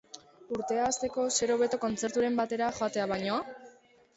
Urtea hasteko zer hobeto kontzerturen batera joatea baino?